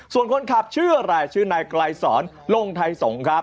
ส่วนคนขับชื่ออะไรชื่อนายไกลสอนลงไทยสงครับ